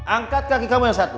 angkat kaki kamu yang satu